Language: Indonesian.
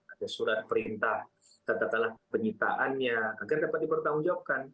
ada surat perintah tata tata penyitaannya agar dapat dipertanggungjawabkan